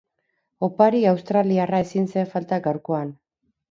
Opari australiarra ezin zen falta gaurkoan.